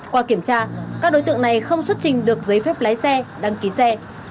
qua kiểm tra các đối tượng này không xuất trình được giấy phép lái xe đăng ký xe